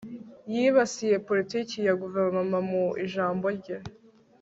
yibasiye politiki ya guverinoma mu ijambo rye